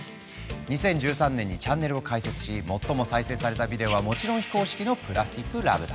２０１３年にチャンネルを開設し最も再生されたビデオはもちろん非公式の「ＰＬＡＳＴＩＣＬＯＶＥ」だ。